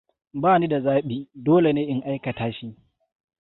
Ba ni da zabi. Dole ne in aikata shi.